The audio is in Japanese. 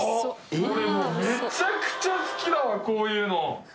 これもうめちゃくちゃ好きだわこういうの！